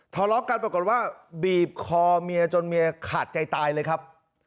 ทะเลาะกันปรากฏว่าบีบคอเมียจนเมียขาดใจตายเลยครับ